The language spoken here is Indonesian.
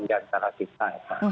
diantara kita epa